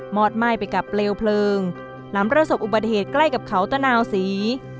อดไหม้ไปกับเปลวเพลิงหลังประสบอุบัติเหตุใกล้กับเขาตะนาวศรี